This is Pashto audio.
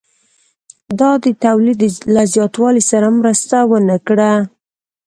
دا د تولید له زیاتوالي سره مرسته ونه کړه